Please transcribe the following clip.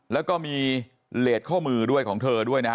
แล้วก็มีเลสข้อมือด้วยของเธอด้วยนะฮะ